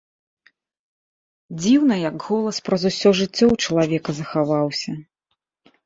Дзіўна, як голас праз усё жыццё ў чалавека захаваўся.